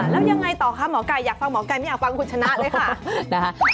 แล้วยังไงต่อคะหมอไก่อยากฟังหมอไก่ไม่อยากฟังคุณชนะเลยค่ะ